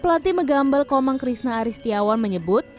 pelatih megambal komang krishna aristiawan menyebut